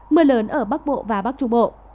mưa lớn ở bắc bộ và bắc trung bộ